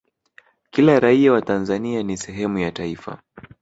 kila raia wa tanzania ni sehemu ya taifa